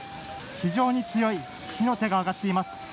非常に強い火の手が上がっています。